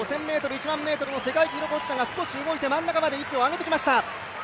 ５０００ｍ、１００００ｍの世界記録保持者が真ん中まで位置をあげてきました。